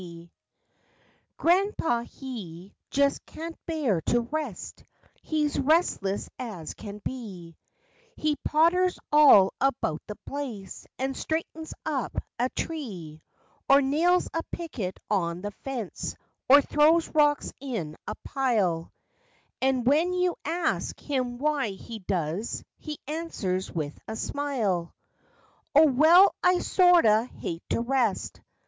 W'y we ain't COLD?" HE just can't bear to rest; he's rest¬ less as can be; He potters all about the place, and straightens up a tree, Or nails a picket on the fence, or throws rocks in a pile, ^ And when you ask him why he does, he answers with a smile: M Oh, well, I sorter hate to rest.